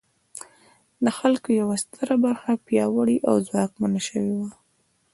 د خلکو یوه ستره برخه پیاوړې او ځواکمنه شوې وه.